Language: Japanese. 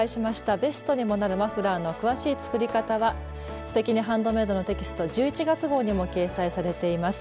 ベストにもなるマフラーの詳しい作り方は「すてきにハンドメイド」のテキスト１１月号にも掲載されています。